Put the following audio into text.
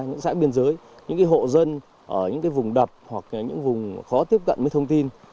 những dãi biên giới những hộ dân ở những vùng đập hoặc những vùng khó tiếp cận với thông tin